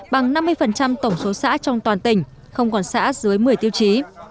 bằng năm mươi tổng số xã trong toàn tỉnh không còn xã dưới một mươi tiêu chí